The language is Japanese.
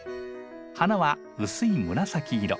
花は薄い紫色。